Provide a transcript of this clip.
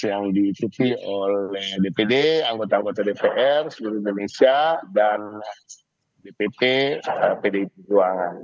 yang ditutupi oleh dpd anggota anggota dpr seluruh indonesia dan dpp pdi perjuangan